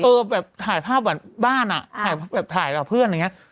เออแบบถ่ายภาพบ้านอ่ะถ่ายกับเพื่อนอย่างเงี้ย